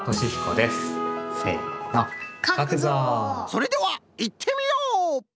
それではいってみよう！